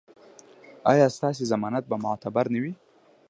ایا ستاسو ضمانت به معتبر نه وي؟